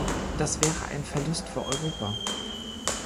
Das wäre ein Verlust für Europa!